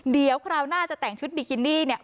เดี๋ยวคราวหน้าจะแต่งชุดบิกินี่เนี่ย